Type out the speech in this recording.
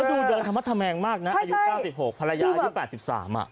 ดูเดินธรรมธแมงมากนะอายุ๙๖ภรรยาอายุ๘๓อ่ะ